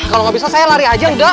kalau gak bisa saya lari aja udah